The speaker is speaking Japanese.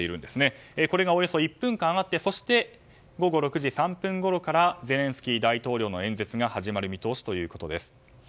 これがおよそ１分間あってそして午後６時３分ごろからゼレンスキー大統領の演説が始まる見通しということです。